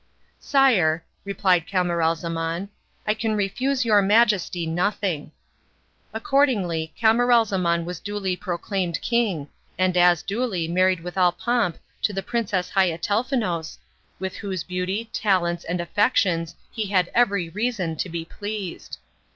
"Sire," replied Camaralzaman, "I can refuse your Majesty nothing." Accordingly Camaralzaman was duly proclaimed king, and as duly married with all pomp to the Princess Haiatelnefous, with whose beauty, talents, and affections he had every reason to be pleased.